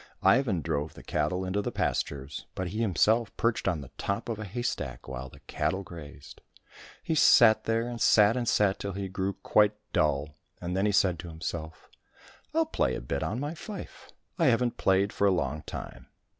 Ivan drove the cattle into the pastures, but he himself perched on the top of a haystack while the cattle grazed. He sat there, and sat and sat till he grew quite dull, and then he said to himself, " I'll play a bit on my fife, I haven't played for a long time."